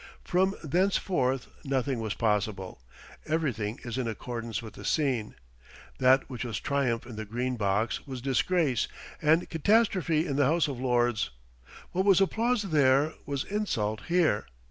From thenceforth nothing was possible. Everything is in accordance with the scene. That which was triumph in the Green Box was disgrace and catastrophe in the House of Lords. What was applause there, was insult here.